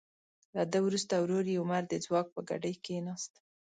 له ده وروسته ورور یې عمر د ځواک په ګدۍ کیناست.